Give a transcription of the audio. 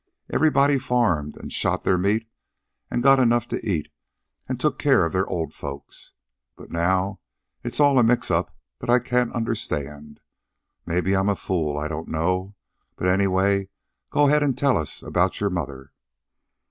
Everybody farmed, an' shot their meat, an' got enough to eat, an' took care of their old folks. But now it's all a mix up that I can't understand. Mebbe I'm a fool, I don't know. But, anyway, go ahead an' tell us about your mother."